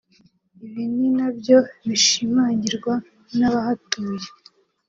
ibi ni nabyo bishimangirwa n’abahatuye